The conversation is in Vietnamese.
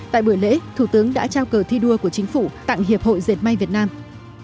tại bữa lễ thủ tướng đã trao cờ thi đua của chính phủ tặng hiệp hội diệt mai việt nam